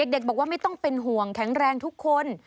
เด็กบอกว่าไม่ต้องเป็นห่วงแข็งแรงทุกคน